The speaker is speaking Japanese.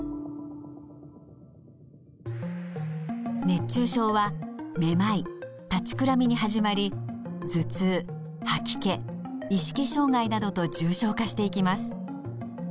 熱中症はめまい立ちくらみに始まり頭痛吐き気意識障害などと重症化していきます。